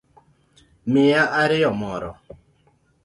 Miya ariyo moro